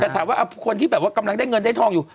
แต่ถามว่าคนที่แบบว่ากำลังได้เงินได้ทองอยู่